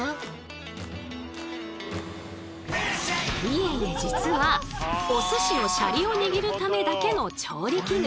いえいえ実はおすしのシャリをにぎるためだけの調理器具。